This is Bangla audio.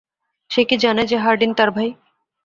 সে কি জানে যে হার্ডিন তার ভাই?